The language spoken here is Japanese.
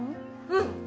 うん！